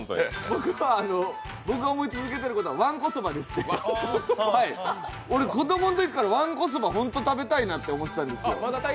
僕は思い続けていることはわんこそばでして、子供のときからわんこそば、ホント食べたいなと思ってたんですよ。